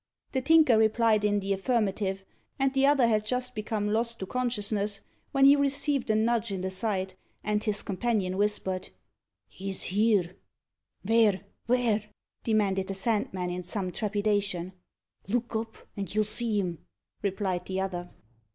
The Tinker replied in the affirmative; and the other had just become lost to consciousness, when he received a nudge in the side, and his companion whispered "He's here!" "Vhere vhere?" demanded the Sandman, in some trepidation. "Look up, and you'll see him," replied the other.